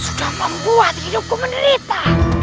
sudah membuat hidupku menerita